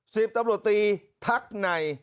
สิบตำรวจตีทักใน